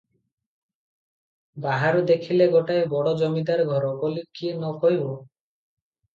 ବାହାରୁ ଦେଖିଲେ ଗୋଟାଏ ବଡ଼ ଜମିଦାର ଘର ବୋଲି କିଏ ନ କହିବ?